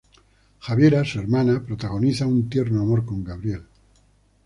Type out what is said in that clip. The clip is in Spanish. Javiera, su hermana, protagoniza un tierno amor con Gabriel.